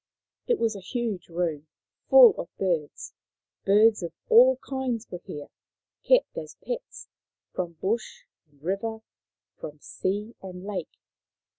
It was a huge room, full of birds. Birds of all kinds were here, kept as pets, from bush and river, from sea and lake.